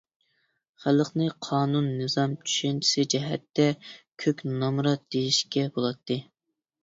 خەلقنى قانۇن-نىزام چۈشەنچىسى جەھەتتە كۆك نامرات دېيىشكە بۇلاتتى.